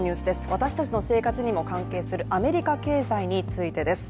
私たちの生活にも関係するアメリカ経済についてです。